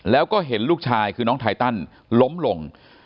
แล้วก็เห็นลูกชายคือน้องไทตันล้มลง